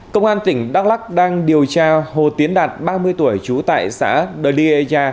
công an tỉnh đắk lắc đang điều tra hồ tiến đạt ba mươi tuổi trú tại xã đời điê cha